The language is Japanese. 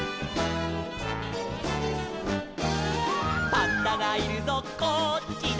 「パンダがいるぞこっちだ」